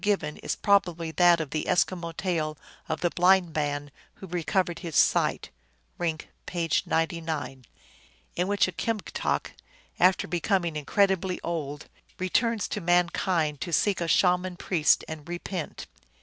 given is probably that of the Eskimo tale of the Blind Man who recovered his sight (Rink, page 99), in which a Kimgtok, after becoming incredibly old, re turns to mankind to seek a Shaman priest and repent.